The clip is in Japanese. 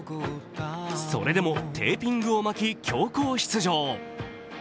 それでもテーピングを巻き、強行出場。